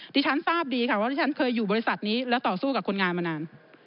ที่ฉันทราบดีค่ะว่าที่ฉันเคยอยู่บริษัทนี้แล้วต่อสู้กับคนงานมานาน